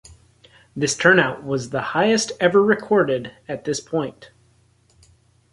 This turnout was the highest ever recorded at this point.